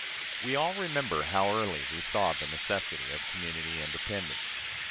We all remember how early he saw the necessity of community independence.